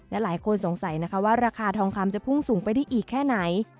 และหลายคนสงสัยนะคะว่าราคาทองคำจะพุ่งสูงไปได้อีกแค่ไหน